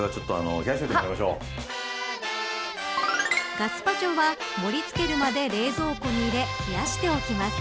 ガスパチョは盛り付けるまで冷蔵庫に入れ冷やしておきます。